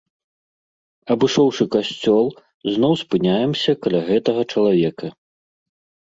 Абышоўшы касцёл, зноў спыняемся каля гэтага чалавека.